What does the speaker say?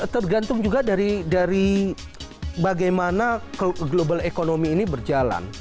tergantung juga dari bagaimana global economy ini berjalan